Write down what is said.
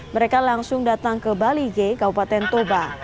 mereka langsung datang ke bali g kabupaten toba